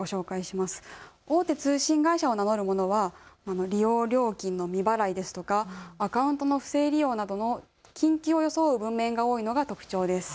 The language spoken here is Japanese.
大手通信会社を名乗るものは利用料金の未払いですとかアカウントの不正利用などの緊急を装う文面が多いのが特徴です。